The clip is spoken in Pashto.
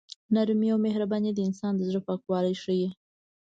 نرمي او مهرباني د انسان د زړه پاکوالی ښيي.